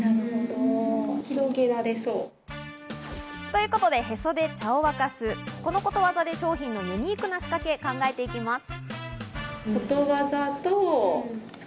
ということで、「へそで茶を沸かす」、このことわざで商品のユニークな仕掛けを考えていきます。